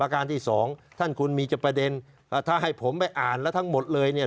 การที่สองท่านคุณมีประเด็นถ้าให้ผมไปอ่านแล้วทั้งหมดเลยเนี่ย